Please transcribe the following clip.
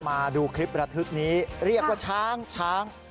มาดูคลิประทึกนี้เรียกว่าช้างช้าง